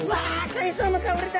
海藻の香りだ！